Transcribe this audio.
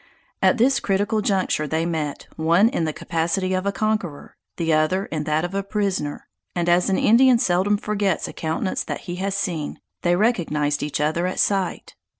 At this critical juncture they met, one in the capacity of a conqueror, the other in that of a prisoner; and as an Indian seldom forgets a countenance that he has seen, they recognized each other at sight.